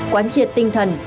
quán triệt tinh thần